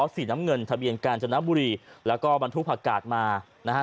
สีน้ำเงินทะเบียนกาญจนบุรีแล้วก็บรรทุกผักกาดมานะฮะ